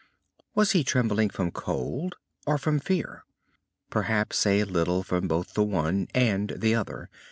Was he trembling from cold or from fear. Perhaps a little from both the one and the other.